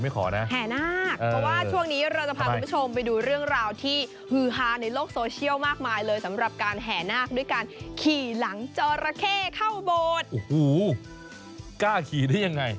กล้าขี่ได้ยังไง